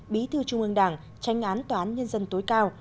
bí thư trung ương đảng tranh án tòa án nhân dân tối cao